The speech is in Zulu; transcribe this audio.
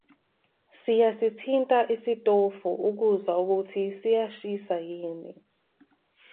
Siyasithinta isitofu ukuzwa ukuthi siyashisa yini.